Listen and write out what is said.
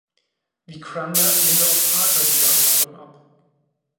Wie Cranmer, lehnte auch Parker diese Einladung ab.